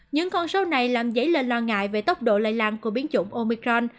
những con số này làm dấy lên lo ngại về tốc độ lây lan của biến chủng omicron